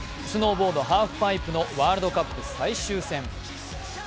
スノーボード・ハーフパイプのワールドカップ最終戦。